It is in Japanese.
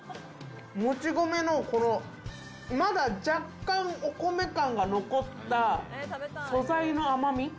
もち米の、まだ若干お米感の残った、素材の甘み。